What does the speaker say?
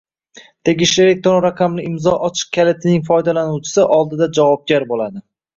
tegishli elektron raqamli imzo ochiq kalitining foydalanuvchisi oldida javobgar bo‘ladi.